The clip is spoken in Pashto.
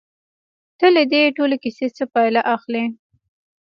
ته له دې ټولې کيسې څه پايله اخلې؟